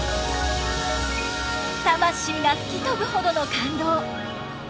魂がふきとぶほどの感動！